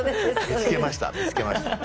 見つけました見つけました。